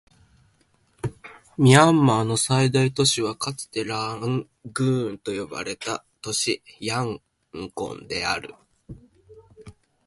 ミャンマーの最大都市はかつてラングーンと呼ばれた都市、ヤンゴンである